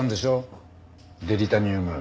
デリタニウム。